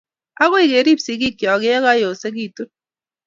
agoi kerib sigikcho ye yosekitun